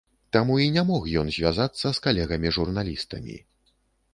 Таму і не мог ён звязацца з калегамі журналістамі.